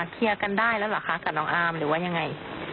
เคลียร์กันได้แล้วเหรอคะกับน้องอาร์มหรือว่ายังไง